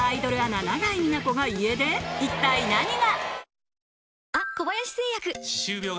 一体何が？